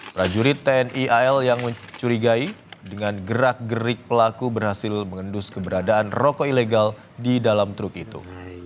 prajurit tni al yang mencurigai dengan gerak gerik pelaku berhasil mengendus keberadaan rokok ilegal di dalam truk itu